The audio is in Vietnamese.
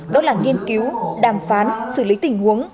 đó là nghiên cứu đàm phán xử lý tình huống